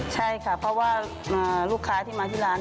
ใช่ค่ะเพราะว่าลูกค้าที่มาที่ร้าน